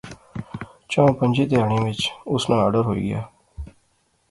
چاں پنجیں تہاڑیں وچ اسے ناں آرڈر ہوئی گیا